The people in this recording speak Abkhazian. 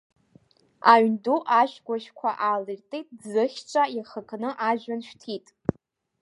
Аҩнду ашәгәашәқәа аалыртит, Ӡыхьҿа иахыкны ажәҩан шәҭит.